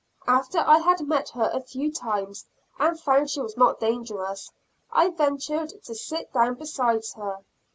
After I had met her a few times and found she was not dangerous, I ventured to sit down beside her.